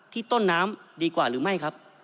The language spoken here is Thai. ที่ต้นน้ำดีกว่าหรือไม่